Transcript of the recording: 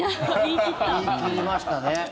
言い切りましたね。